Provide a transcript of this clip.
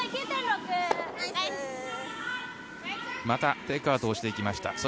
またテイクアウトをしていきました。